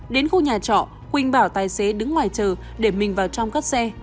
đến khu nhà trọ quỳnh bảo tài xế đứng ngoài chờ để mình vào trong cắt xe